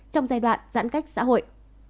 trong giai đoạn giãn cách xã hội